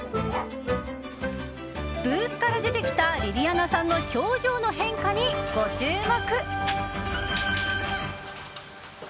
ブースから出てきたりりあなさんの表情の変化にご注目。